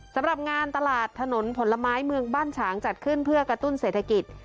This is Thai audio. สำหรับงานตลาดถนนผลไม้เมืองบ้านฉางจัดขึ้นเพื่อกระตุ้นเศรษฐกิจ